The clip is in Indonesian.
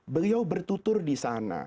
beliau bertutur di sana